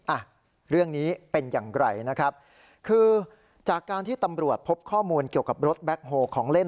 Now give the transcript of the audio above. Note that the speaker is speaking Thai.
อ่ะเรื่องนี้เป็นอย่างไรนะครับคือจากการที่ตำรวจพบข้อมูลเกี่ยวกับรถแบ็คโฮของเล่น